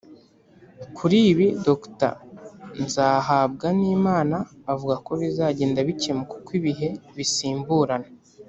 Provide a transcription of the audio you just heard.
Kuri ibi Dr Nzahabwanimana avuga ko bizagenda bikemuka uko ibihe bisimburana